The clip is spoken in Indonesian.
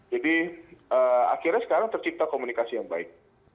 jadi akhirnya sekarang tercipta komunikasi yang baik